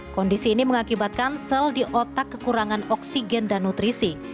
kondisi ini mengakibatkan sel di otak kekurangan oksigen dan nutrisi